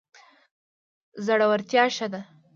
زړورتیا ښه ده.